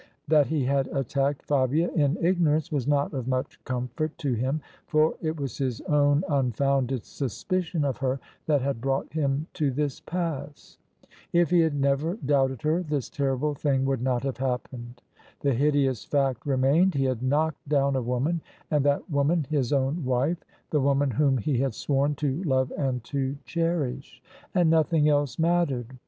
That he had attacked Fabia in ignorance was not of much comfort to him, for it was his own unfounded suspicion of her that had brought him to this pass. If he had never doubted her, this terrible thing would not have happened. The hideous fact remained: he had knocked down a woman, and that woman his own wife — the woman whom he had sworn to love and to cherish: and nothing else mattered.